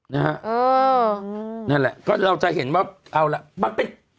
นั่นแหละก็เราจะเห็นว่าเอาล่ะมันเป็น